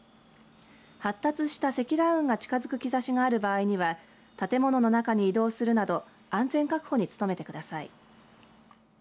発達した積乱雲が近づく兆しがある場合には建物の中に移動するなど安全確保に努めてください。